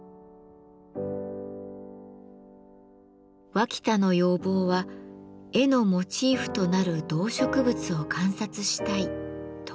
脇田の要望は「絵のモチーフとなる動植物を観察したい」ということ。